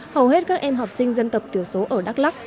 hầu hết các em học sinh dân tộc tiểu số ở đắk lắc